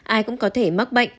ai cũng có thể mắc bệnh